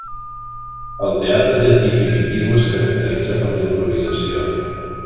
El teatre llatí primitiu es caracteritza per la improvisació.